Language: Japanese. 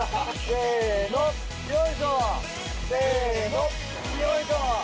せのよいしょ！